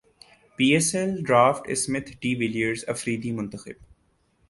پی S L draft Smith de Villiers Afridi منتخب